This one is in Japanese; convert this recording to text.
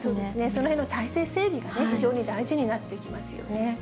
その体制整備が非常に大事になってきますよね。